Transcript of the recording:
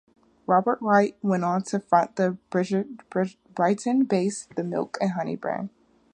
Robert White went on to front the Brighton-based The Milk And Honey Band.